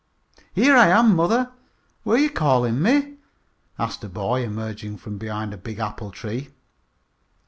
"Here I am, mother. Were you calling me?" asked a boy, emerging from behind a big apple tree.